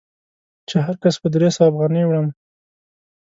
چې هر کس په درې سوه افغانۍ وړم.